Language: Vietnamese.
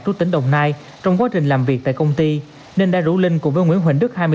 trú tỉnh đồng nai trong quá trình làm việc tại công ty nên đã rủ linh cùng với nguyễn huỳnh đức